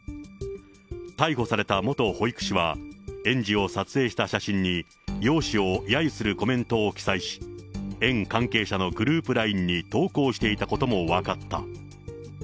逮捕された元保育士は、園児を撮影した写真に容姿をやゆするコメントを記載し、園関係者のグループＬＩＮＥに投稿していたことも分かった。